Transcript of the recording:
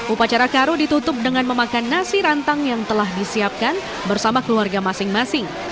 upacara karo ditutup dengan memakan nasi rantang yang telah disiapkan bersama keluarga masing masing